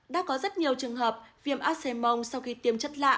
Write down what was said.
đã có rất nhiều trường hợp viêm áp xe mông sau khi tiêm chất lạ